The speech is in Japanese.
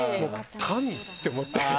神！って思って。